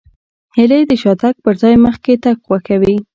هیلۍ د شاتګ پر ځای مخکې تګ خوښوي